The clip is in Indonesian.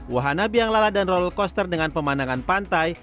wahana biang lala dan roller coaster dengan pemandangan pantai